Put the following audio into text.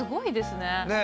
ねえ。